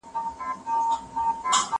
هغه وويل چي پلان جوړول مهم دي!؟